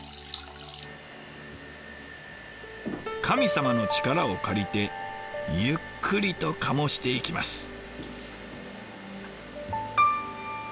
神様の力を借りてゆっくりと醸していきます。